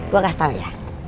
gue kasih tau ya